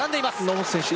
野本選手